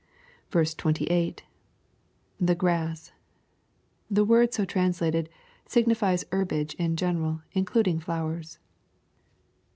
28. — [The grass.] The word so translated signifies herbage in gene ral, including flowers.